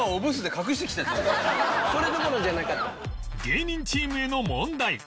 芸人チームへの問題